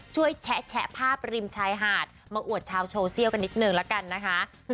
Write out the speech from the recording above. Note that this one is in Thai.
แชะภาพริมชายหาดมาอวดชาวโซเชียลกันนิดนึงละกันนะคะ